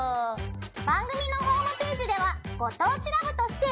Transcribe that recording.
番組のホームページでは「ご当地ＬＯＶＥ」として。